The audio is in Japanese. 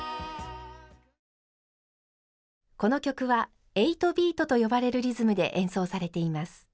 この曲は８ビートと呼ばれるリズムで演奏されています。